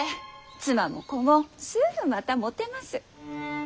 妻も子もすぐまた持てます。